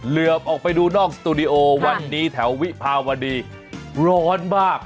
เหลือบออกไปดูนอกสตูดิโอวันนี้แถววิภาวดีร้อนมาก